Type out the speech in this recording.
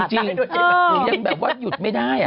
หนูยังแบบว่าหยุดไม่ได้